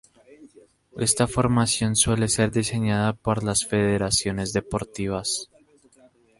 Esta formación suele ser diseñada por las federaciones deportivas.